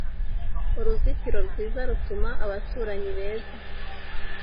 Uruzitiro rwiza rutuma abaturanyi beza.